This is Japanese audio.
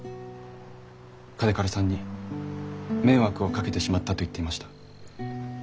嘉手刈さんに迷惑をかけてしまったと言っていました。